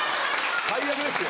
最悪ですよ